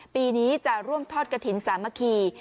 ปีนี้จะร่วมทอดกระถิ่นสามัคคี